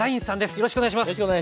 よろしくお願いします。